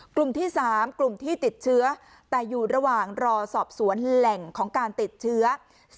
กลุ่มที่๓กลุ่มที่ติดเชื้อแต่อยู่ระหว่างรอสอบสวนแหล่งของการติดเชื้อ